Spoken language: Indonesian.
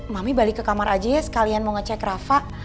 mami balik ke kamar aja ya sekalian mau ngecek rafa